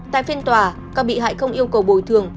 tại phiên tòa các bị hại không yêu cầu bồi thường